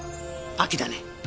秋だね。